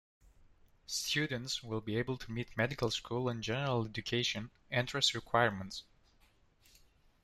Students will be able to meet medical school and general education entrance requirements.